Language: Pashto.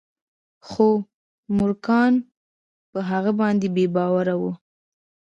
خو مورګان په هغه باندې بې باوره و